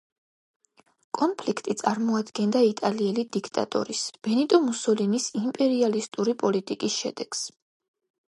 კონფლიქტი წარმოადგენდა იტალიელი დიქტატორის ბენიტო მუსოლინის იმპერიალისტური პოლიტიკის შედეგს.